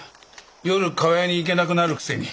夜厠に行けなくなるくせに。